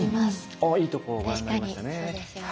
あいいとこご覧になりましたね。